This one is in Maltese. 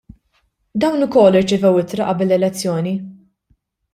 Dawn ukoll irċevew ittra qabel l-elezzjoni.